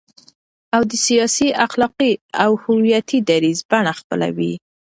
او د سیاسي، اخلاقي او هویتي دریځ بڼه خپلوي،